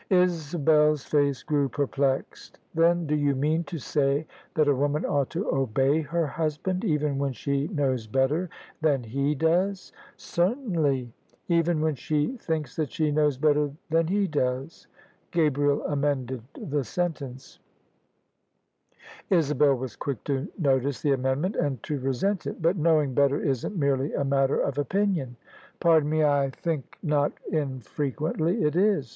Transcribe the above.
Isabel's face grew perplexed. "Then do you mean to say that a woman ought to obey her husband even when she knows better than he does?" " Certainly: even when she thinks that she knows better than he does." Gabriel amended the sentence. [ 137 ] THE SUBJECTION Isabel was quick to notice the amendment and to resent It. " But knowing better isn't merely a matter of opinion." " Pardon me, I think not infrequently it is.